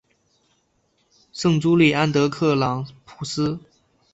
圣朱利安德克朗普斯。